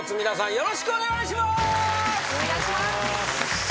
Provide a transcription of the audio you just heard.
よろしくお願いします。